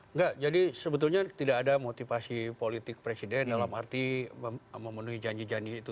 enggak jadi sebetulnya tidak ada motivasi politik presiden dalam arti memenuhi janji janji itu